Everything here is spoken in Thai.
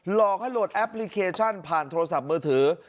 หลอกให้โหลดแอปพลิเคชันผ่านโทรศัพท์มือถือ